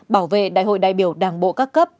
bảo vệ đại hội đại biểu đảng bộ các cấp